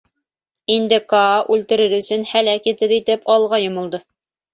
Инде Каа үлтерер өсөн һәләк етеҙ итеп алға йомолдо.